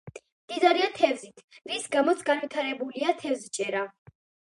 მდიდარია თევზით, რის გამოც განვითარებულია თევზჭერა.